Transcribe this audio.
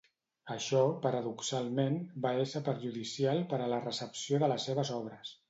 Això, paradoxalment, va ésser perjudicial per a la recepció de les seves obres.